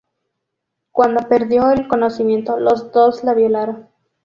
Cuando perdió el conocimiento, los dos la violaron.